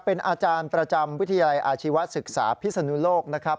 เป็นอาจารย์ประจำวิทยาลัยอาชีวศึกษาพิศนุโลกนะครับ